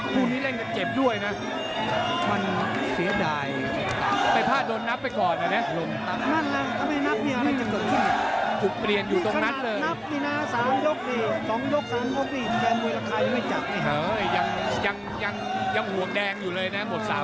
แผ้วหัวแห่งแรงของเราว่าแทกคลุทธ์ค่ะ